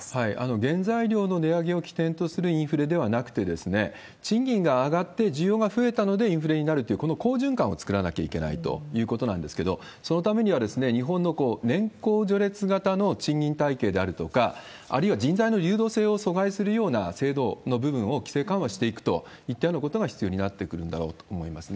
原材料の値上げを起点とするインフレではなくて、賃金が上がって需要が増えたのでインフレになるという、この好循環を作らなきゃいけないということなんですけれども、そのためには、日本の年功序列型の賃金体系であるとか、あるいは人材の流動性を阻害するような制度の部分を規制緩和していくといったようなことが必要になってくるんだろうと思いますね。